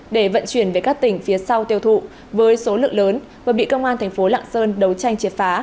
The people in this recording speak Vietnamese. để vận chuyển về các tỉnh phía sau tiêu thụ với số lượng lớn vừa bị công an thành phố lạng sơn đấu tranh triệt phá